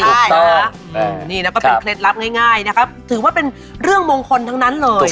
เนี่ยแล้วทีนี้เป็นเคล็ดลับง่ายถือว่าเป็นเรื่องมองคนทั้งนั้นเลย